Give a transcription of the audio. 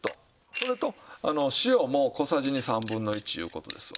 それと塩も小さじに３分の１いう事ですわ。